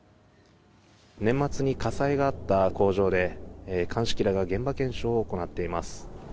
年末に火災があった工場で鑑識らが現場検証を行っています。